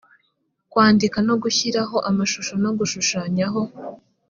kwandikaho nogushyiraho amashusho no gushushanyaho